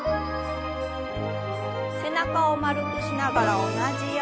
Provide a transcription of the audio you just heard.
背中を丸くしながら同じように。